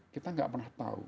kita nggak pernah tahu